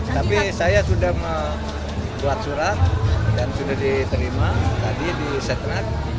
tapi saya sudah membuat surat dan sudah diterima tadi di setner